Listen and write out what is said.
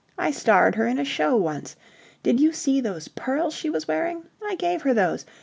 I starred her in a show once. Did you see those pearls she was wearing? I gave her those.